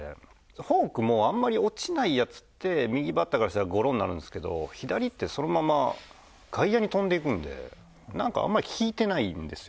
フォークもあんまり落ちないやつって右バッターからしたらゴロになるんですけど左ってそのまま外野に飛んでいくんでなんかあんまり効いてないんですよ。